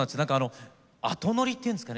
後ノリというんですかね